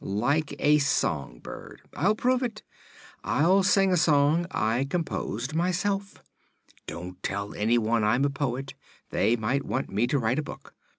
"Like a song bird. I'll prove it. I'll sing a song I composed myself. Don't tell anyone I'm a poet; they might want me to write a book.